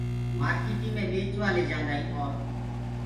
مارڪيٽي مي ٻيچوآ ليجآدآئين اور